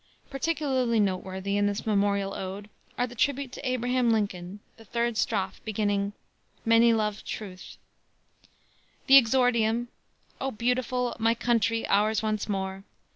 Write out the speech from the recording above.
Particularly noteworthy in this memorial ode are the tribute to Abraham Lincoln, the third strophe, beginning, "Many loved Truth:" the exordium "O Beautiful! my Country! ours once more!"